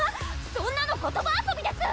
そんなの言葉遊びです！